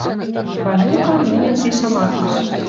Ванюкан мӹньӹн ти шамакеш.